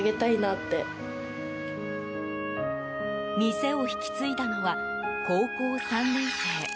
店を引き継いだのは高校３年生。